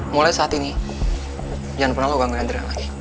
mulai saat ini jangan pernah lo ganggu andrea lagi